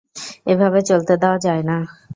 এভাবে চলতে দেওয়া যায় না।